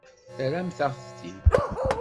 Terramt-aɣ-t-id.